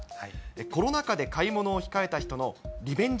コロナ禍で買い物を控えた人のリベンジ